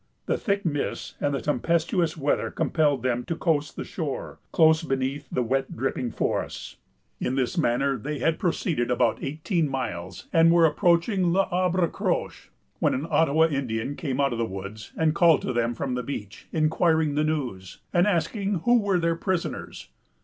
The thick mists and the tempestuous weather compelled them to coast the shore, close beneath the wet dripping forests. In this manner they had proceeded about eighteen miles, and were approaching L'Arbre Croche, when an Ottawa Indian came out of the woods, and called to them from the beach, inquiring the news, and asking who were their prisoners.